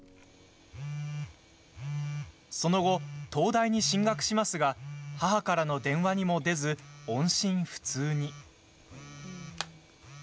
その後、東大に進学しますが母からの電話にも出ず音信不通に。